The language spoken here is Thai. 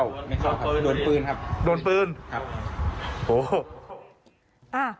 ไม่เข้าค่ะโดนปืนครับโดนปืนโอ้โฮ